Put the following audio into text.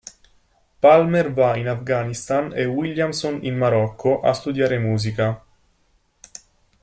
Palmer va in Afghanistan e Williamson in Marocco, a studiare musica.